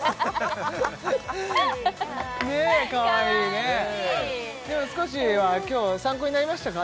ねえかわいいねでも少しは今日参考になりましたか？